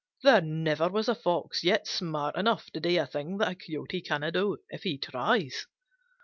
There never was a Fox yet smart enough to do a thing that a Coyote cannot do if he tries.